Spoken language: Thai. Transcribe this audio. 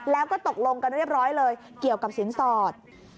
แล้วก็ตกลงกันเรียบร้อยเลยเกี่ยวกับสินสอด